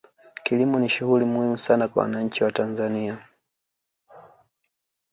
kilimo ni shughuli muhimu sana kwa wananchi wa tanzania